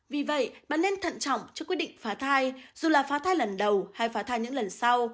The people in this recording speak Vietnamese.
vì vậy bạn nên thận trọng trước quyết định phá thai dù là phá thai lần đầu hay phá thai những lần sau